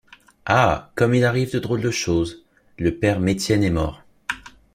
Ah! comme il arrive de drôles de choses ! le père Mestienne est mort.